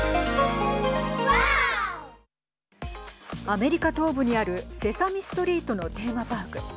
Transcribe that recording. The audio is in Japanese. アメリカ東部にあるセサミストリートのテーマパーク。